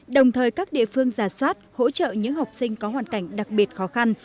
đồng thời các địa phương giả soát hỗ trợ những học sinh có hoàn cảnh đặc biệt khó khăn